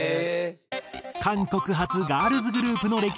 韓国発ガールズグループの歴史。